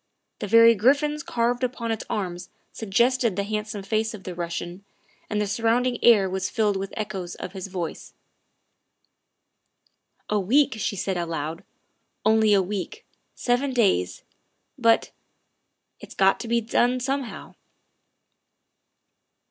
The very griffins carved upon its arms suggested the handsome face of the Russian, and the surrounding air was filled with echoes of his voice. ''A week," she said aloud, " only a week, seven days. But it 's got to be done somehow.